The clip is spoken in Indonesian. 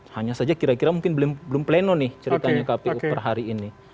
hanya saja kira kira mungkin belum pleno nih ceritanya kpu per hari ini